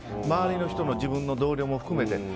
周りの人の自分の同僚も含めて。